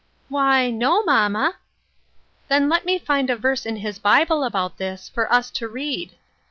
" Why, no, mamma." " Then let me find a verse in His Bible about this, for us to read."